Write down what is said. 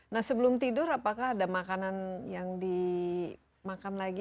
nah sebelum tidur apakah ada makanan yang dimakan lagi